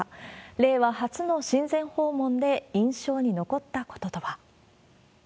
令和初の親善訪問で、印象に残ったこととは。